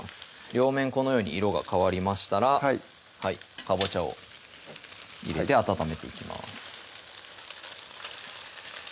両面このように色が変わりましたらかぼちゃを入れて温めていきます